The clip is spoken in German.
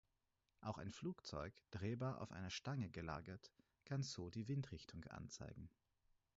Auch ein Flugzeug, drehbar auf einer Stange gelagert, kann so die Windrichtung anzeigen.